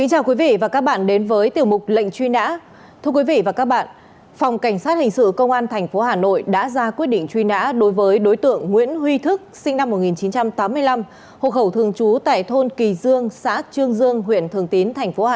hãy đăng ký kênh để ủng hộ kênh của chúng mình nhé